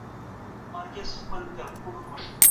طبقه بندي د ټولنیز ژوند یو واقعیت دی.